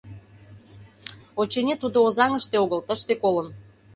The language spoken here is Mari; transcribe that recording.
Очыни, тудо Озаҥыште огыл, тыште колын.